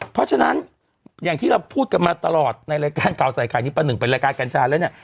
เพราะฉะนั้นอย่างที่เราพูดกันมาตลอดในรายการข่าวใส่ไข่นี้ประหนึ่งเป็นรายการกัญชาแล้วเนี่ย